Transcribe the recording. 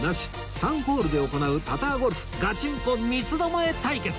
３ホールで行うパターゴルフガチンコ三つ巴対決！